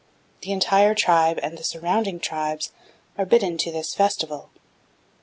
The entire tribe and the surrounding tribes are bidden to this festival.